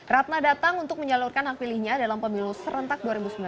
ratna datang untuk menyalurkan hak pilihnya dalam pemilu serentak dua ribu sembilan belas